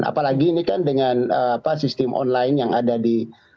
apalagi ini kan dengan sistem online yang ada di